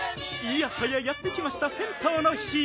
いやはややってきました銭湯の日！